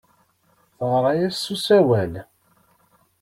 Teɣra-as s usawal.